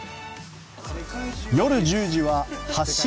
夜１０時は「発進！